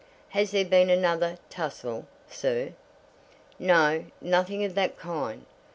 "Has there been another tussle, sir?" "No; nothing of that kind.